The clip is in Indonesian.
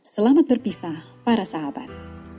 selamat berpisah para sahabat